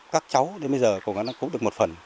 các cháu đến bây giờ cố gắng cứu được một phần